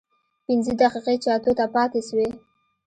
پينځه دقيقې چې اتو ته پاتې سوې.